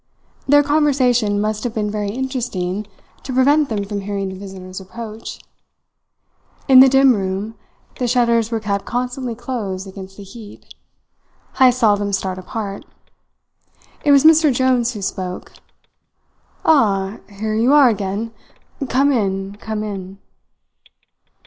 Their conversation must have been very interesting to prevent them from hearing the visitor's approach. In the dim room the shutters were kept constantly closed against the heat Heyst saw them start apart. It was Mr. Jones who spoke: "Ah, here you are again! Come in, come in!"